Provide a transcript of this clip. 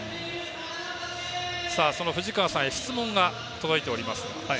その藤川さんへ質問が届いております。